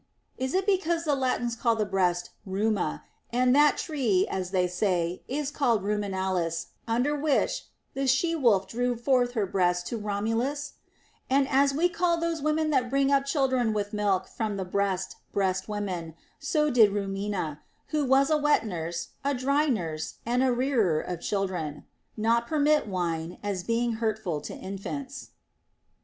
Is it because the Latins call a breast nana, and that tree (as they say) is called ruminalis under which the she wolf drew forth her breast to Romulus I And as we call those women that bring up children with milk from the breast breast women, so did Rumina — who was a wet nurse, a dry nurse, and a rearer of children — not permit wine, as being hurtful to the infants.